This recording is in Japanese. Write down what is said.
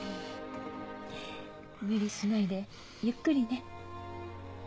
無理しないでゆっくりね。